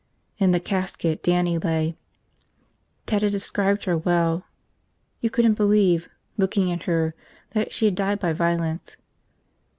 In the casket Dannie lay. Ted had described her well. You couldn't believe, looking at her, that she had died by violence.